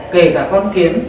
kể cả con kiếm